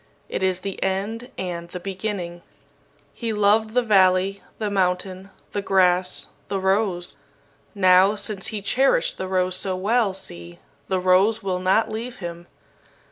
It is the end and the beginning. "He loved the valley, the mountain, the grass, the rose. Now, since he cherished the rose so well, see, the rose will not leave him.